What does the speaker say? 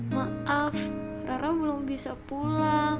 maaf rara belum bisa pulang